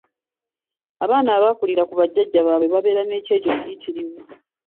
Abaana abaakulira ku bajjajja baabwe babeera n’ekyejo kiyitirivu.